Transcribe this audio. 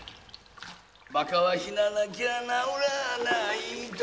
馬鹿は死ななきゃなおらないと。